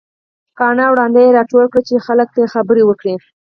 کاڼه او ړانده يې راټول کړي وو چې خلک ته خبرې وکړي.